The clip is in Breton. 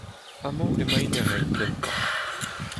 Amañ emaint er renk kentañ.